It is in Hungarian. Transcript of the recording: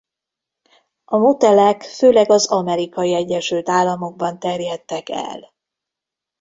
A motelek főleg az Amerikai Egyesült Államokban terjedtek el.